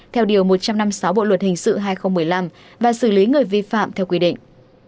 theo điều một trăm năm mươi sáu bộ luật hình sự hai nghìn một mươi năm và xử lý người vi phạm theo quy định